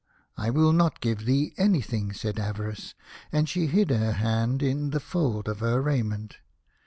" I will not give thee anything," said Ava rice, and she hid her hand in the fold of her raiment.